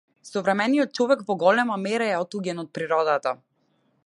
Современиот човек во голема мера е отуѓен од природата.